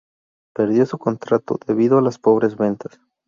Perdió su contrato debido a las pobres ventas.